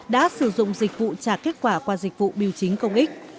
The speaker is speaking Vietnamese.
đã sử dụng dịch vụ trả kết quả qua dịch vụ biểu chính công ích